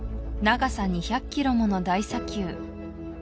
長さ２００ｋｍもの大砂丘